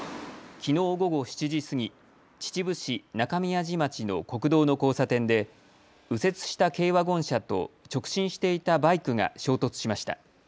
きのう午後７時過ぎ、秩父市中宮地町の国道の交差点で右折した軽ワゴン車と直進していたバイクが衝突しました。